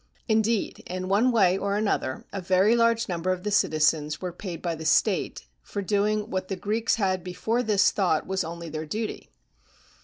Indeed, in one way or another, a very large number of the citizens were paid by the state for doing what the Greeks had before this thought was only their duty.